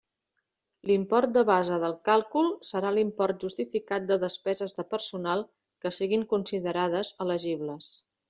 L'import de base del càlcul serà l'import justificat de despeses de personal que siguin considerades elegibles.